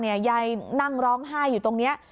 ยายนั่งร้องไห้อยู่ตรงนี้